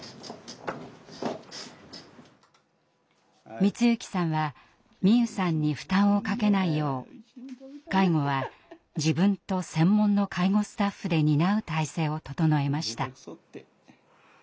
光行さんは美夢さんに負担をかけないよう介護は自分と専門の介護スタッフで担う体制を整えました。